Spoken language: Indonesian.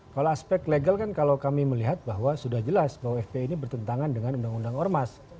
kalau aspek legal kan kalau kami melihat bahwa sudah jelas bahwa fpi ini bertentangan dengan undang undang ormas